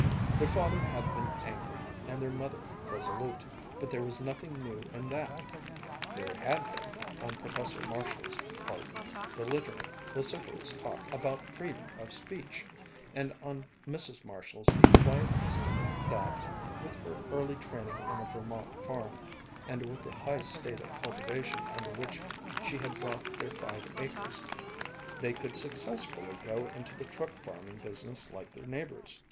Their father had been angry, and their mother resolute but there was nothing new in that. There had been, on Professor Marshall's part, belligerent, vociferous talk about "freedom of speech," and on Mrs. Marshall's a quiet estimate that, with her early training on a Vermont farm, and with the high state of cultivation under which she had brought their five acres, they could successfully go into the truck farming business like their neighbors.